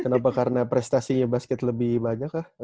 kenapa karena prestasinya basket lebih banyak lah